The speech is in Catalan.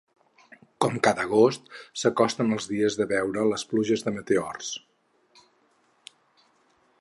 Com cada agost, s’acosten els dies de veure les pluges de meteors.